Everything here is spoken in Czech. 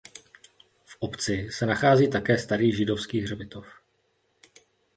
V obci se nachází také starý židovský hřbitov.